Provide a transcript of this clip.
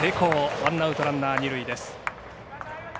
ワンアウトランナー二塁です。